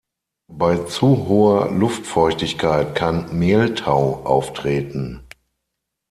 Bei zu hoher Luftfeuchtigkeit kann Mehltau auftreten.